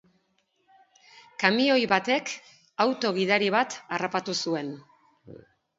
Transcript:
Kamioi batek auto-gidari bat harrapatu zuen.